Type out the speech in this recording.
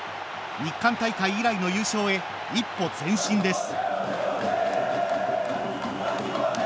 日韓大会以来の優勝へ一歩前進です。